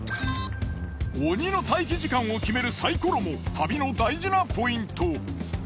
鬼の待機時間を決めるサイコロも旅の大事なポイント。